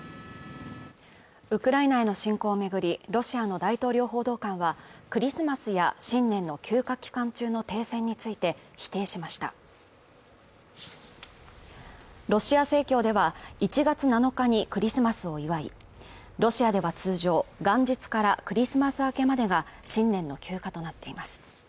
ウクライナへの侵攻をめぐりロシアの大統領報道官はクリスマスや新年の休暇期間中の停戦について否定しましたロシア正教では１月７日にクリスマスを祝いロシアでは通常元日からクリスマス明けまでが新年の休暇となっています